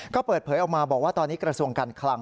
ก็เปิดเผยออกมาบอกว่าตอนนี้กระทรวงการคลัง